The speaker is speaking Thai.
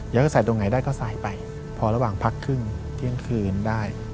แล้วก็ใส่ตรงไหนได้ก็สายไปพอระหว่างพักครึ่งเที่ยงคืนได้